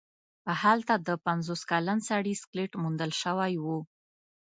هلته د پنځوس کلن سړي سکلیټ موندل شوی و.